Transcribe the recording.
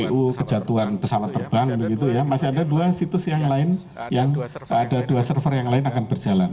itu kejatuhan pesawat terbang begitu ya masih ada dua situs yang lain yang ada dua server yang lain akan berjalan